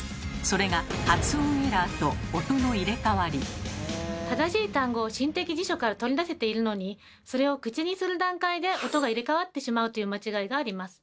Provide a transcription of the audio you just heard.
それが正しい単語を心的辞書から取り出せているのにそれを口にする段階で音が入れ代わってしまうという間違いがあります。